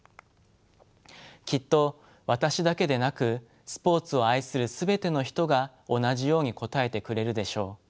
きっと私だけでなくスポーツを愛する全ての人が同じように答えてくれるでしょう。